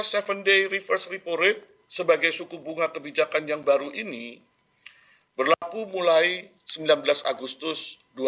seven day reverse report sebagai suku bunga kebijakan yang baru ini berlaku mulai sembilan belas agustus